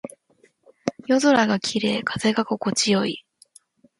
夜空が綺麗。風が心地よい。